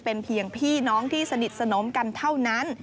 เป็นเพียงพี่น้องที่สนิทสนมกันเท่านั้น